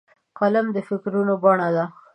قلم د فکرونو بڼه ده